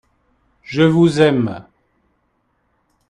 Je vous aime !